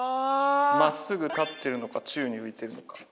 まっすぐ立ってるのか宙に浮いてるのか。